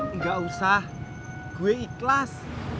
enggak usah gue ikhlas